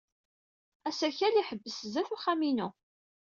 Asakal iḥebbes sdat uxxam-inu.